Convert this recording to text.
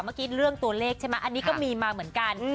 เมื่อกี้เรื่องตัวเลขใช่ไหมอันนี้ก็มีมาเหมือนกัน